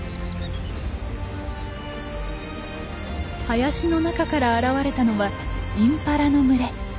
林の中から現れたのはインパラの群れ。